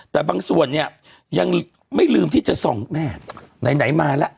แต่บางส่วนเนี่ยยังไม่ลืมที่จะส่องแม่ไหนมาแล้ว